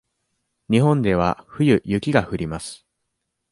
日本では冬雪が降ります。